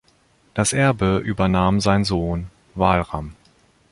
Das Erbe übernahm sein Sohn Walram.